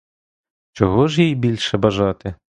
Чого ж їй більше бажати?